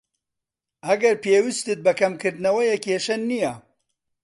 ئەگەر پێویستت بە کەمکردنەوەیە، کێشە نیە.